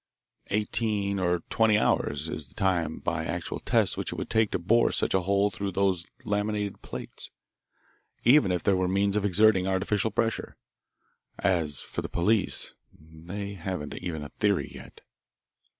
Eighteen or twenty hours is the time by actual test which it would take to bore such a hole through those laminated plates, even if there were means of exerting artificial pressure. As for the police, they haven't even a theory yet."